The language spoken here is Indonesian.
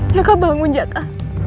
jaka bangun jaka